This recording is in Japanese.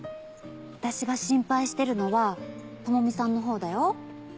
私が心配してるのは智美さんのほうだよ。